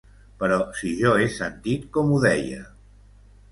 Però si jo he sentit com ho deia!